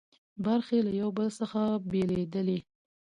برخې له یو بل څخه بېلېدلې.